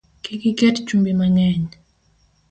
Kik iket chumbi mang’eny